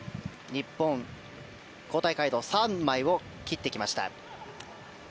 日本、交代カード３枚を切ってきました。